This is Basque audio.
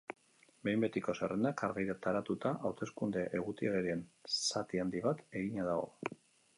Behin betiko zerrendak argitaratuta, hauteskunde egutegiaren zati handi bat egina dago.